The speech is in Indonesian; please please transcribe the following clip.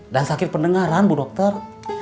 dan sakit pendengaran bu dokter